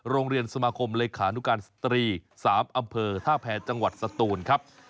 โรงเรียนสมาคมเลขานุการสตรี๓อำเภอท่าแพรจังหวัดสตูนครับ